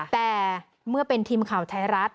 แต่เมื่อเป็นทีมข่าวไทยรัฐ